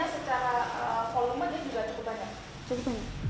dan hasilnya secara volume juga cukup banyak